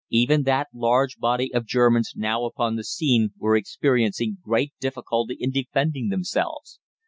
Even that large body of Germans now upon the scene were experiencing great difficulty in defending themselves.